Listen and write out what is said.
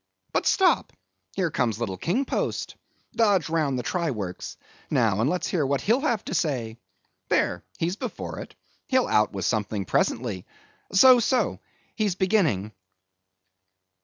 But stop; here comes little King Post; dodge round the try works, now, and let's hear what he'll have to say. There; he's before it; he'll out with something presently. So, so; he's beginning."